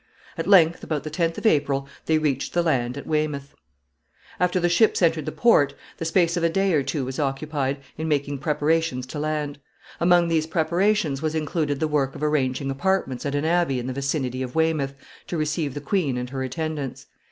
At length, about the 10th of April, they reached the land at Weymouth. [Sidenote: The landing.] After the ships entered the port, the space of a day or two was occupied in making preparations to land. Among these preparations was included the work of arranging apartments at an abbey in the vicinity of Weymouth to receive the queen and her attendants.